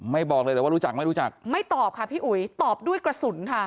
บอกเลยเหรอว่ารู้จักไม่รู้จักไม่ตอบค่ะพี่อุ๋ยตอบด้วยกระสุนค่ะ